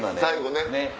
最後ね。